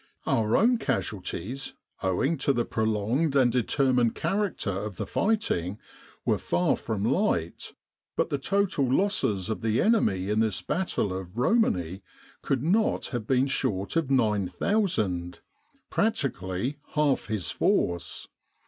Our own casualties, owing to the prolonged and determined character of the fighting, were far from light; but the total losses of the enemy in this 'battle of Romani could not have been short of 9,000, practically half his force.